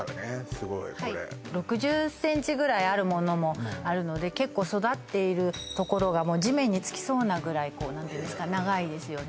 すごいこれはい６０ｃｍぐらいあるものもあるので結構育っているところがもう地面に着きそうなぐらいこう何ていうんですか長いですよね